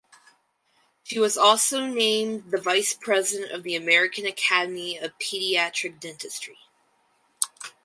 She was also named the vice president of the American Academy of Pediatric Dentistry.